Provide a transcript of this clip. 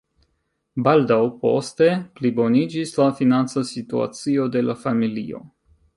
Baldaŭ poste pliboniĝis la financa situacio de la familio.